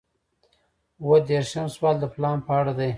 اووه دېرشم سوال د پلان په اړه دی.